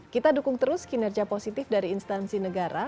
kita dukung terus kinerja positif dari instansi negara